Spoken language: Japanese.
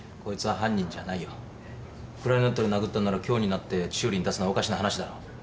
クラリネットで殴ったんなら「今日になって修理に出す」のはおかしな話だろ。